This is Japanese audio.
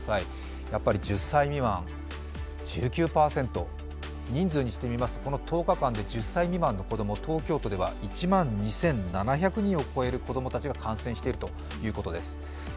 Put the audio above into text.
やっぱり１０歳未満、１９％人数にしてみますと、この１０日で１０歳未満の子供、東京都では１万２７００人を超える子供たちが感染しているということです。